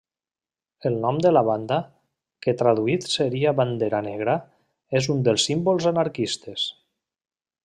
El nom de la banda, que traduït seria bandera negra, és un dels símbols anarquistes.